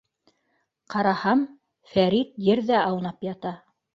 Ҡараһам, Фәрит ерҙә аунап ята.